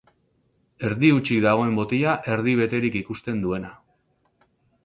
Erdi hutsik dagoen botila, erdi beterik ikusten duena.